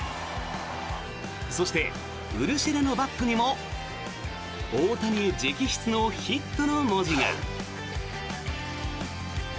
そして、ウルシェラのバットにも大谷直筆の「ヒット」の文字が。